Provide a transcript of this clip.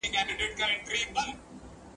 آیا مینه تر کرکي پیاوړې ده؟